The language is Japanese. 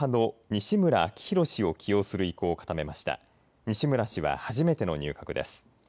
西村氏は初めての入閣です。